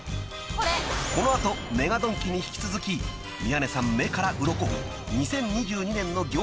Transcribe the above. ［この後ＭＥＧＡドンキに引き続き宮根さん目からうろこ］